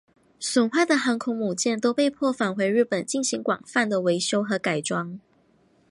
损坏的航空母舰都被迫返回日本进行广泛维修和改装。